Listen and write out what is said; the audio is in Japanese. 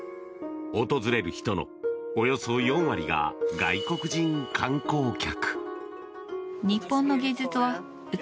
訪れる人のおよそ４割が外国人観光客。